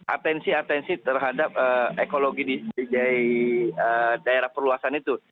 atensi atensi terhadap ekologi di daerah perluasan itu